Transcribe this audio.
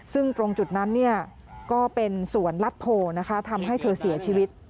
ซึ่งตรงจุดนั้นก็เป็นสวนลัดโพนะคะทำให้เธอเสียชีวิต